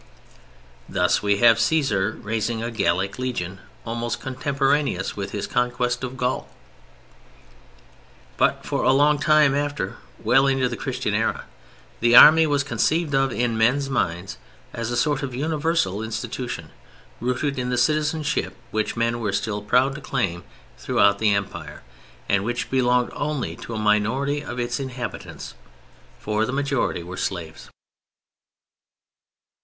Thus we have Cæsar raising a Gallic legion almost contemporaneous with his conquest of Gaul. But for a long time after, well into the Christian era, the Army was conceived of in men's minds as a sort of universal institution rooted in the citizenship which men were still proud to claim throughout the Empire, and which belonged only to a minority of its inhabitants; for the majority were slaves.